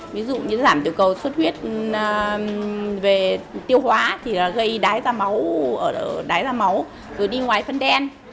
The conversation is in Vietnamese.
ví dụ như giảm tiểu cầu sốt huyết tiêu hóa thì gây đáy ra máu rồi đi ngoài phân đen